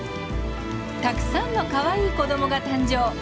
たくさんのかわいい子どもが誕生。